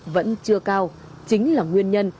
vẫn chưa cao chính là nguyên nhân